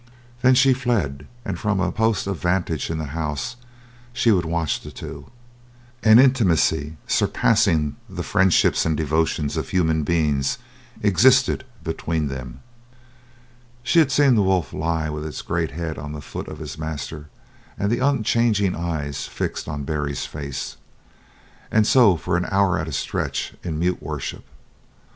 Then she fled, and from a post of vantage in the house she would watch the two. An intimacy surpassing the friendships and devotions of human beings existed between them. She had seen the wolf lie with his great head on the foot of his master and the unchanging eyes fixed on Barry's face and so for an hour at a stretch in mute worship.